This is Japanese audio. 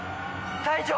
隊長！